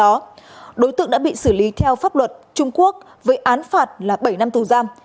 đó đối tượng đã bị xử lý theo pháp luật trung quốc với án phạt là bảy năm tù giam